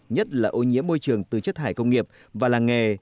nhất là ô nhiễm môi trường từ chất thải công nghiệp và làng nghề